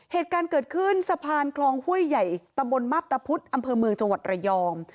เหตุการณ์เกิดขึ้นสะพานคลองห้วยใหญ่ตำบลมับตะพุธอำเภอเมืองจังหวัดระยอง